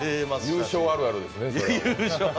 優勝あるあるですね。